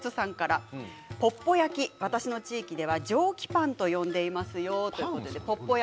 ポッポ焼き、私の地域では蒸気パンと呼んでいますよ。